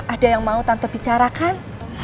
ada yang mau tante bicarakan